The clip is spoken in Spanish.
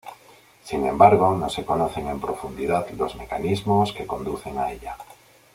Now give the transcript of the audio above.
Sin embargo, no se conocen en profundidad los mecanismos que conducen a ella.